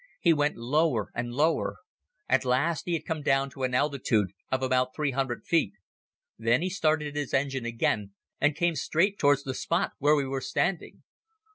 He went lower and lower. At last he had come down to an altitude of about three hundred feet. Then he started his engine again and came straight towards the spot where we were standing.